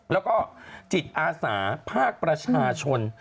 แล้วก็จิตอาสาภาคประชาชน